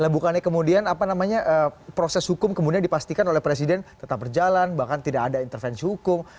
bukannya kemudian apa namanya proses hukum kemudian dipastikan oleh presiden tetap berjalan bahkan tidak ada intervensi hukum